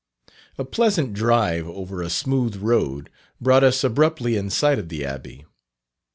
A pleasant drive over a smooth road, brought us abruptly in sight of the Abbey.